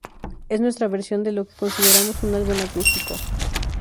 Es nuestra versión de lo que consideramos un álbum acústico.